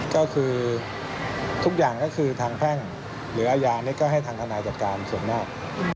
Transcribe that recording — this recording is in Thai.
ก็คือทุกอย่างก็คือทางแพ่งหรืออาญานี่ก็ให้ทางทนายจัดการส่วนหน้า